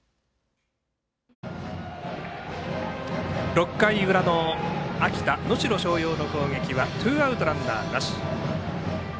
６回の裏の秋田・能代松陽の攻撃はツーアウトランナーなし。